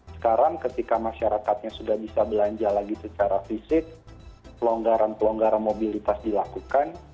sekarang ketika masyarakatnya sudah bisa belanja lagi secara fisik pelonggaran pelonggaran mobilitas dilakukan